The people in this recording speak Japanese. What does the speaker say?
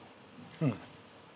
うん。